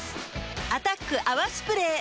「アタック泡スプレー」